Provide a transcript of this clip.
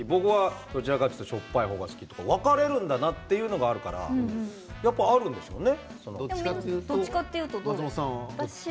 僕は、どちらかというとしょっぱいのが好き分かれるんだなというのがあるんでしょうね。